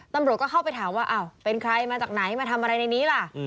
ตำรวจก็เข้าไปถามว่าอ้าวเป็นใครมาจากไหนมาทำอะไรในนี้ล่ะ